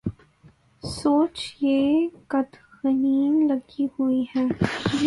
سوچ پہ قدغنیں لگی ہوئی ہیں۔